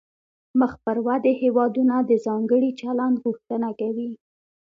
مخ پر ودې هیوادونه د ځانګړي چلند غوښتنه کوي